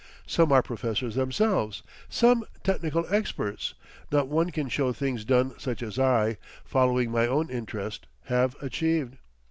Some are professors themselves, some technical experts; not one can show things done such as I, following my own interest, have achieved.